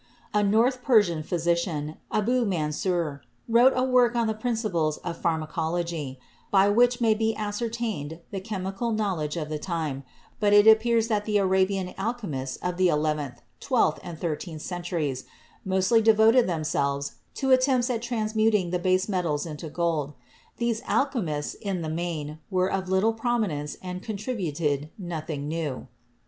A North Persian physician, Abu Mansur, wrote a work on the principles of pharmacology, by which may be ascertained the chemical knowledge of the time, but it appears that the Arabian alchemists of the eleventh, twelfth and thirteenth centuries mostly devoted themselves to attempts at transmuting the base metals into gold. These alchemists, in the main, were of little prominence and contributed nothing new.